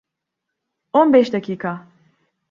On beş dakika.